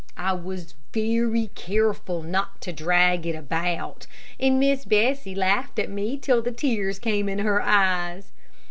I was very careful not to drag it about, and Miss Bessie laughed at me till the tears came in her eyes.